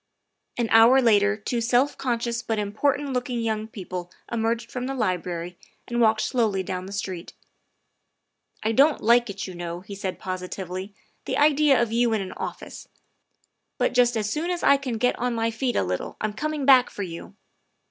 An hour later two self conscious but important look ing young people emerged from the Library and walked slowly down the street. " I don't like it, you know," he said positively, " the idea of you in an office! but just as soon as I can get on my feet a little I'm coming back for you."